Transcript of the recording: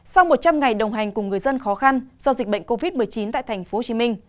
sau một trăm linh ngày đồng hành cùng người dân khó khăn do dịch bệnh covid một mươi chín tại tp hcm